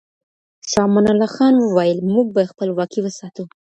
شاه امان الله خان وویل، موږ به خپلواکي وساتو.